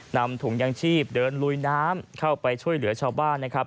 นำถุงยางชีพเดินลุยน้ำเข้าไปช่วยเหลือชาวบ้านนะครับ